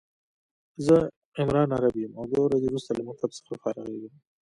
زه عمران عرب يم او دوه ورځي وروسته له مکتب څخه فارغيږم